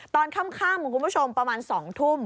ตอนข้ามคุณผู้ชมประมาณสองทุ่ม